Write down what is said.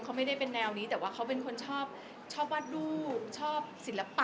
เขาไม่ได้เป็นแนวนี้แต่ว่าเขาเป็นคนชอบชอบวาดรูปชอบศิลปะ